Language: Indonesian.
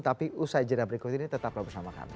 tapi usai jenah berikut ini tetaplah bersama kami